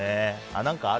何かある？